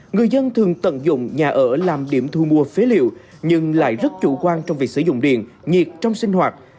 người dân thường tận dụng nhà ở làm điểm thu mua phế liệu nhưng lại rất chủ quan trong việc sử dụng điện nhiệt trong sinh hoạt